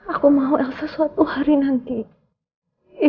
aku mau lp suatu hari nanti